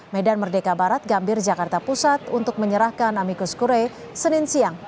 medan merdeka barat gambir jakarta pusat untuk menyerahkan amikus kure senin siang